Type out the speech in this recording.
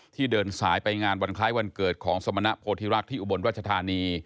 เดินสายไปงานวันคล้ายวันเกิดของสมณโพธิรักษ์ที่อุบลรัชธานี